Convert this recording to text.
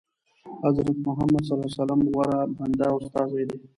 حضرت محمد صلی الله علیه وسلم غوره بنده او استازی دی.